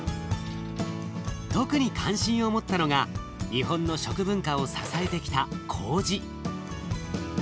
特に関心を持ったのが日本の食文化を支えてきたこうじ。